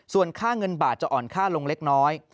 ส่วนค่าเงินบาทจะอ่อนค่าลงเล็กน้อย